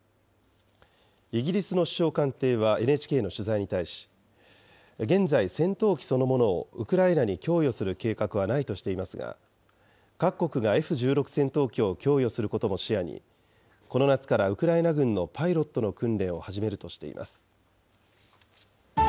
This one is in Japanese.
イギリスの首相官邸はＮＨＫの取材に対し、現在、戦闘機そのものをウクライナに供与する計画はないとしていますが、各国がＦ１６戦闘機を供与することも視野に、この夏からウクライナ軍のパイロットの訓練を始めるとしています。